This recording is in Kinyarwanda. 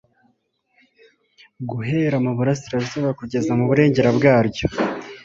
guhera mu burasirazuba kugeza mu burengero bwaryo